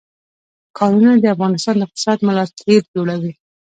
کانونه د افغانستان د اقتصاد ملا تیر جوړوي.